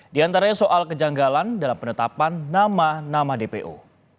di antaranya soal kejanggalan dalam penetapan nama nama dpo